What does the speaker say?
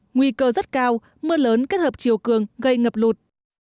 nguy cơ rất cao mưa lớn kết hợp chiều cường gây ngập lụt